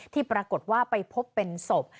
ที่ปรากฏว่าไปพบเป็นศพ